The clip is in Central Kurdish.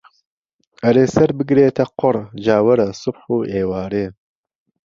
ئهرێ سهر بگرێته قوڕ جا وهره سوبح و ئێوارێ